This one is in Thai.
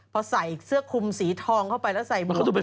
พอใส่เสื้อคุมสีทองเข้าไปแล้วใส่มือ